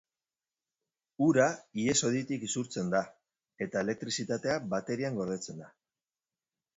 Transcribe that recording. Ura ihes-hoditik isurtzen da eta elektrizitatea baterian gordetzen da.